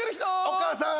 お母さん！